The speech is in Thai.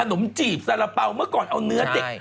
นมจีบสาระเป๋าเมื่อก่อนเอาเนื้อเด็ก